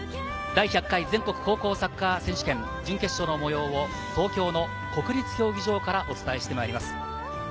第１００回全国高校サッカー選手権準決勝の模様を東京の国立競技場からお伝えしてまいります。